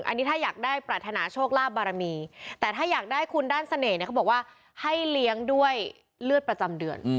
อันนี้ถ้าอยากได้ปรารถนาโชคลาภบารมีแต่ถ้าอยากได้คุณด้านเสน่ห์เนี่ยเขาบอกว่าให้เลี้ยงด้วยเลือดประจำเดือน